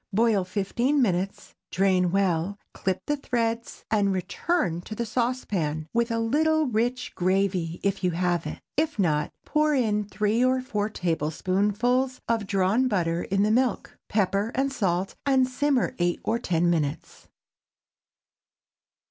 Boil fifteen minutes, drain well, clip the threads, and return to the saucepan, with a little rich gravy if you have it. If not, pour in three or four tablespoonfuls of butter drawn in milk, pepper and salt, and simmer eight or ten minutes.